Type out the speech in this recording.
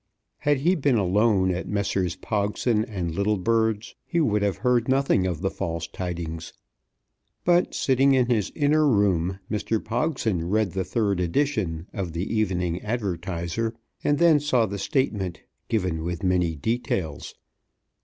Had he been alone at Messrs. Pogson and Littlebird's he would have heard nothing of the false tidings. But sitting in his inner room, Mr. Pogson read the third edition of the Evening Advertiser, and then saw the statement, given with many details.